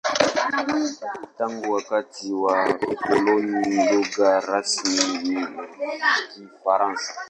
Tangu wakati wa ukoloni, lugha rasmi ni Kifaransa.